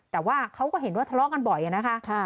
แต่ว่าเขาก็เห็นว่าทะเลาะกันบ่อยนะคะ